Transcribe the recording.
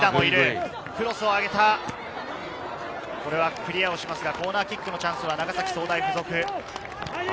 クリアしますがコーナーキックのチャンスは長崎総大附属。